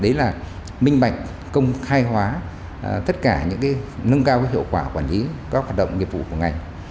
đấy là minh bạch công khai hóa tất cả những nâng cao hiệu quả quản lý các hoạt động nghiệp vụ của ngành